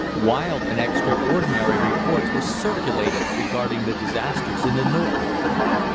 Wild and extraordinary reports were circulated regarding the disasters in the north.